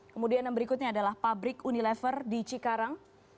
kemudian yang berikutnya adalah pabrik unilever di cikarang